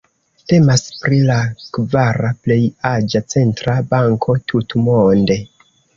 Temas pri la kvara plej aĝa centra banko tutmonde.